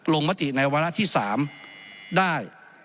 ลงมติในวันละที่๓ได้